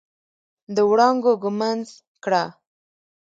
د وړانګو ږمنځ کړه